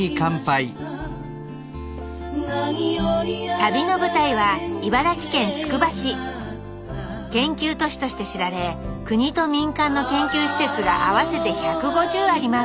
旅の舞台は研究都市として知られ国と民間の研究施設が合わせて１５０あります